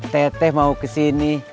teteh mau kesini